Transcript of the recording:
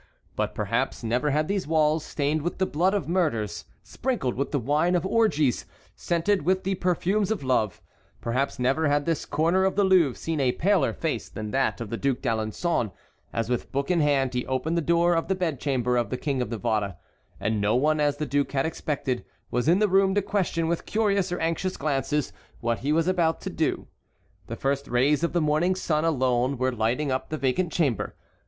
But perhaps never had these walls, stained with the blood of murders, sprinkled with the wine of orgies, scented with the perfumes of love,—perhaps never had this corner of the Louvre seen a paler face than that of the Duc d'Alençon, as with book in hand he opened the door of the bedchamber of the King of Navarre. And no one, as the duke had expected, was in the room to question with curious or anxious glances what he was about to do. The first rays of the morning sun alone were lighting up the vacant chamber.